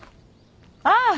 ああ！